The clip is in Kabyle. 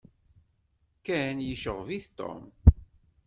Ken yecɣeb-it Tom.